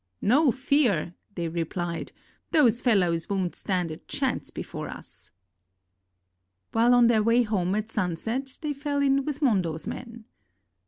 "No fear," they replied, "those fellows won't stand a chance before us!" While on their way home at sunset, they fell in with Mondo's men.